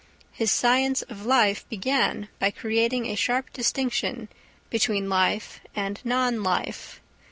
His science of life began by creating a sharp distinction between life and non life.